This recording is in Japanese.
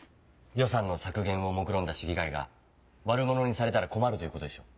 予算の削減をもくろんだ市議会が悪者にされたら困るということでしょう。